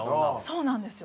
そうなんですよ。